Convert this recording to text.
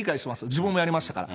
自分もやりましたから。